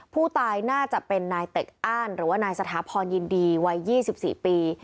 ผู้ตายน่าจะเป็นนายเต็กอ้านหรือว่านายสถาพรยินดีวัย๒๔ปี